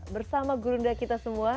bersama gurunda kita semua